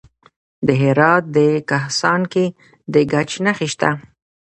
د هرات په کهسان کې د ګچ نښې شته.